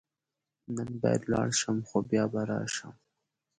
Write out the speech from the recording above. نن باید ولاړ شم، خو بیا به راشم.